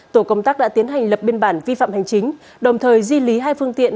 tổ công tác đã tiến hành lập biên bản vi phạm hành chính đồng thời di lý hai phương tiện